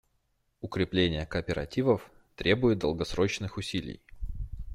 Укрепление кооперативов требует долгосрочных усилий.